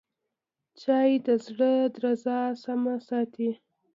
چای د زړه درزا سمه ساتي